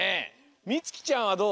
みつきちゃんはどう？